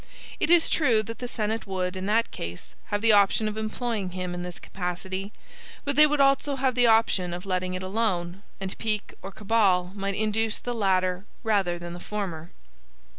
It is true that the Senate would, in that case, have the option of employing him in this capacity, but they would also have the option of letting it alone, and pique or cabal might induce the latter rather than the former.